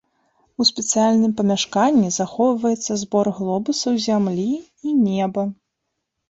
У спецыяльным памяшканні захоўваецца збор глобусаў зямлі і неба.